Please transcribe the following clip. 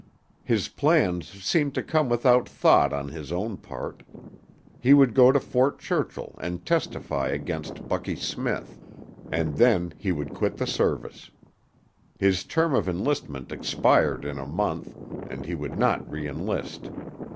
His plans seemed to come without thought on his own part. He would go to Fort Churchill and testify against Bucky Smith. And then he would quit the Service. His term of enlistment expired in a month, and he would not re enlist.